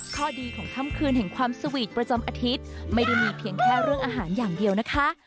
ข้อดีของค่ำคืนแห่งความสวีทประจำอาทิตย์ไม่ได้มีเพียงแค่เรื่องอาหารอย่างเดียวนะคะ